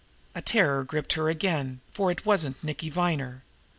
And terror gripped at her again, for it wasn't Nicky Viner.